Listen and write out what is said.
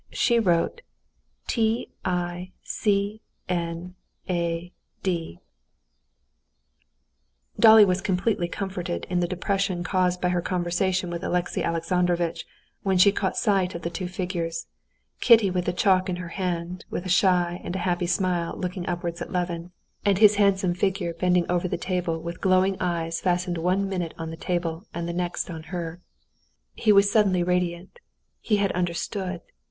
She wrote, t, i, c, n, a, d. Dolly was completely comforted in the depression caused by her conversation with Alexey Alexandrovitch when she caught sight of the two figures: Kitty with the chalk in her hand, with a shy and happy smile looking upwards at Levin, and his handsome figure bending over the table with glowing eyes fastened one minute on the table and the next on her. He was suddenly radiant: he had understood.